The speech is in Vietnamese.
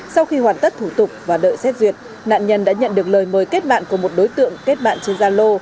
sau khi hoàn tất thủ tục và đợi xét duyệt nạn nhân đã nhận được lời mời kết bạn của một đối tượng kết bạn trên gia lô